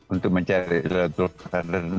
untuk mencari laylatul qadar